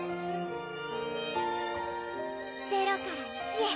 ０から１へ。